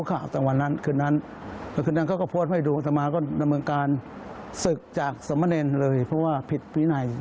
ข่มขู่นี้เจ้าตังค์หรืออะไรครับ